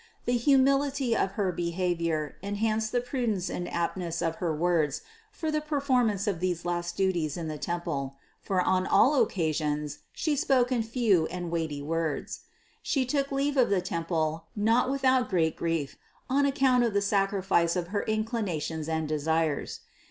The humility of her be havior enhanced the prudence and aptness of her words for the performance of these last duties in the temple; for on all occasions She spoke in few and weighty words. She took leave of the temple not without great grief on account of the sacrifice of her inclinations and desires.